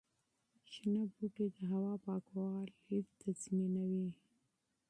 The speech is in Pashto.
شنه بوټي د هوا پاکوالي تضمینوي.